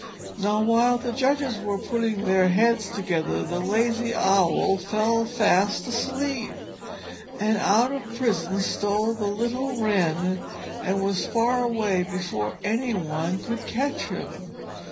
Now while the judges were putting their heads together the lazy Owl fell fast asleep, and out of prison stole the little Wren and was far away before any one could catch him.